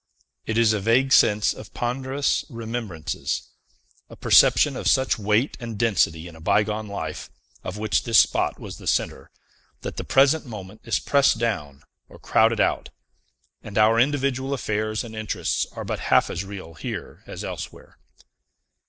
It is a vague sense of ponderous remembrances; a perception of such weight and density in a bygone life, of which this spot was the centre, that the present moment is pressed down or crowded out, and our individual affairs and interests are but half as real here as elsewhere.